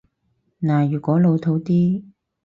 嗱，如果老套啲